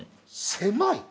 狭い？